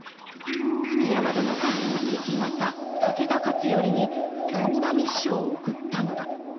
築山殿が敵方武田勝頼にこんな密書を送ったのだ。